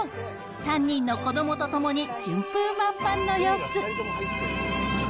３人の子どもと共に順風満帆の様子。